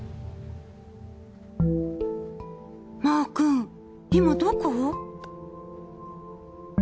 「マー君今どこ？」。